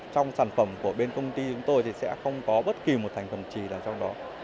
trong sản phẩm của bên công ty chúng tôi thì sẽ không có bất kỳ một sản phẩm trì là trong đó